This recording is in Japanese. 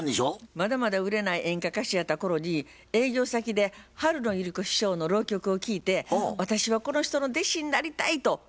まだまだ売れない演歌歌手やった頃に営業先で春野百合子師匠の浪曲を聴いて私はこの人の弟子になりたいと思ったんです。